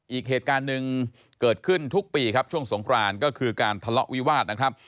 อีกเหตุการณ์หนึ่งเกิดขึ้นทุกปีครับช่วงสงครานก็คือการทะเลาะวิวาสนะครับ